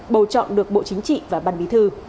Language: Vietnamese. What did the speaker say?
bầu chọn được bộ chính trị và ban bí thư